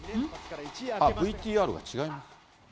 ＶＴＲが違いますね。